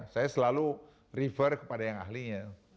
saya selalu refer kepada yang ahlinya